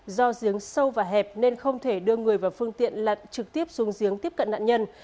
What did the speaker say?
do giếng sâu và hẹp nên không thể đưa người vào phương tiện lật trực tiếp xuống giếng tiếp cận nạn nhân